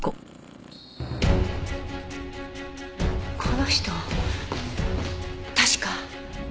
この人確か。